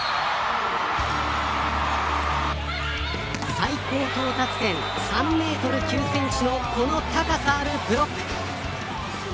最高到達点３メートル９センチのこの高さあるブロック。